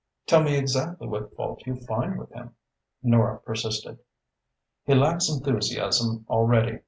"Tell me exactly what fault you find with him?" Nora persisted. "He lacks enthusiasm already.